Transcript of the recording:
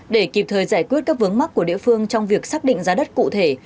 để kịp thời giải quyết các vướng mắc của địa phương trong việc xác định giá đất cụ thể